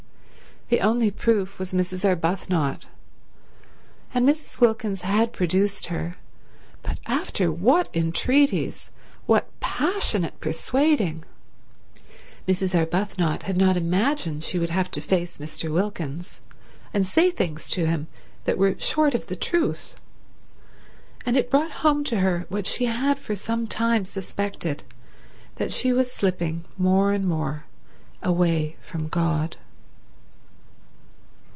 The only proof was Mrs. Arbuthnot, and Mrs. Wilkins had produced her; but after what entreaties, what passionate persuading! Mrs. Arbuthnot had not imagined she would have to face Mr. Wilkins and say things to him that were short of the truth, and it brought home to her what she had for some time suspected, that she was slipping more and more away from God.